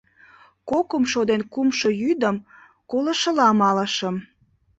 Кокымшо ден кумшо йӱдым колышыла малышым.